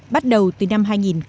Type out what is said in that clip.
bắt đầu từ năm hai nghìn hai mươi một